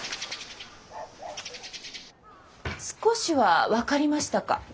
少しは分かりましたか？